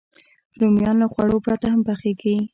رومیان له غوړو پرته هم پخېږي